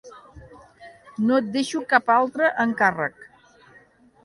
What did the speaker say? No et deixo cap altre encàrrec.